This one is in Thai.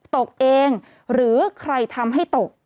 ตกเองหรือใครทำให้ตก